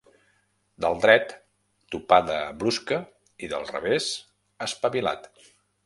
Del dret, topada brusca, i del revés, espavilat.